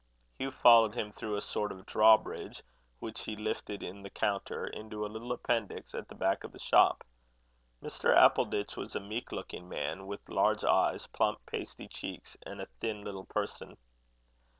Hugh followed him through a sort of draw bridge which he lifted in the counter, into a little appendix at the back of the shop. Mr. Appleditch was a meek looking man, with large eyes, plump pasty cheeks, and a thin little person.